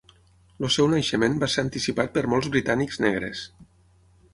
El seu naixement va ser anticipat per molts britànics negres.